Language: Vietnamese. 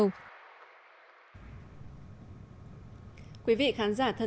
quý vị khán giả thân mến chương trình thời sự của chúng tôi đến đây là hết